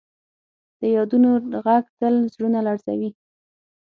د یادونو ږغ تل زړونه لړزوي.